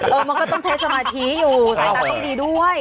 เออมันก็ต้องใช้สมาธิอยู่ใส่ตังค์ดีด้วย